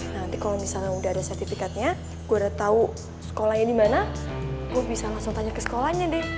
nanti kalau misalnya udah ada sertifikatnya gue udah tau sekolahnya di mana gue bisa langsung tanya ke sekolahnya deh